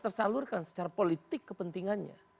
tersalurkan secara politik kepentingannya